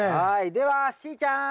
ではしーちゃん！